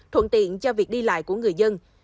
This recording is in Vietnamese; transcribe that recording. thuận tiện cho việc đi lại của người dân